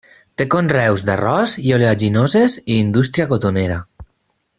Té conreus d'arròs i oleaginoses i indústria cotonera.